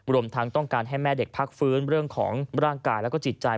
รวมทั้งต้องการให้แม่เด็กพักฟื้นเรื่องของร่างกายแล้วก็จิตใจ